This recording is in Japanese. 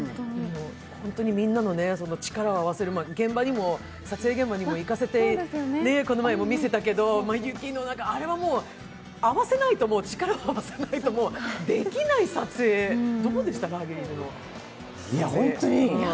みんなの力を合わせる、撮影現場にも行かせてもらってこの前も見せたけど、雪の中、あれはもう力を合わせないとできない撮影、どうでしたか？